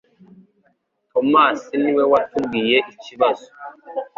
Tomasi niwe watubwiye ikibazo.